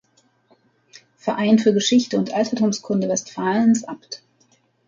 Verein für Geschichte und Altertumskunde Westfalens, Abt.